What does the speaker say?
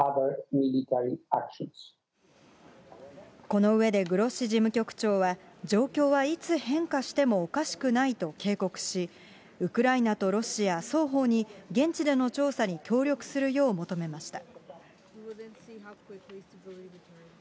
この上でグロッシ事務局長は、状況はいつ変化してもおかしくないと警告し、ウクライナとロシア双方に、現地での調査に協力するよう求めました。